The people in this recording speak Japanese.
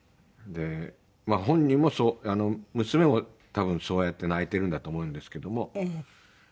本人もそう娘も多分そうやって泣いてるんだと思うんですけども。